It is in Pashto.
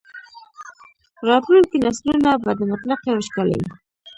راتلونکي نسلونه به د مطلقې وچکالۍ.